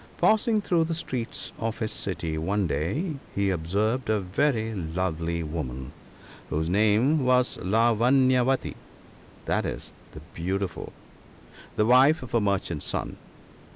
Passing through the streets of his city one day, he ob served a very lovely woman, whose name was Lavanya vati — i.e., the Beautiful — the wife of a merchant's son.